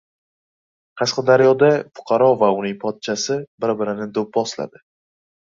Qashqadaryoda fuqaro va uning pochchasi bir-birini do‘pposladi